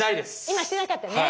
今してなかったね。